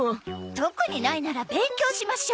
特にないなら勉強しましょう。